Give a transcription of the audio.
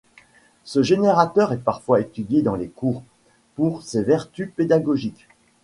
Ce générateur est parfois étudié dans les cours, pour ses vertus pédagogiques.